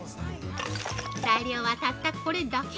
材料はたったこれだけ！